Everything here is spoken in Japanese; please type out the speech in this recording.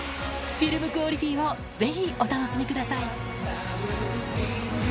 フィルムクオリティーをぜひお楽しみください。